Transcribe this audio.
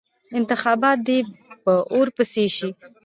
انتخابات دې په اور پسې شي.